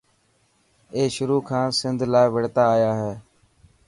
اي شروع کان سنڌ لاءِ وڙهتا آيا هي.